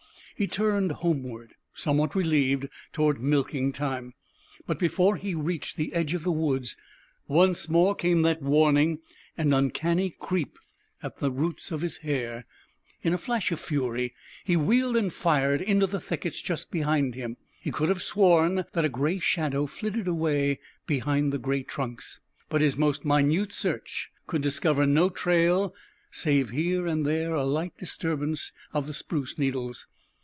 He turned homeward, somewhat relieved, toward milking time. But, before he reached the edge of the woods, once more came that warning and uncanny creep at the roots of his hair. In a flash of fury he wheeled and fired into the thickets just behind him. He could have sworn that a gray shadow flitted away behind the gray trunks. But his most minute search could discover no trail save here and there a light disturbance of the spruce needles.